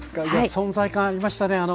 いや存在感ありましたね